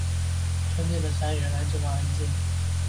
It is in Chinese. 春天的山原来这么安静